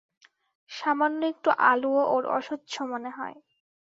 সামান্য একটু আলোও ওর অসহ্য মনে হয়।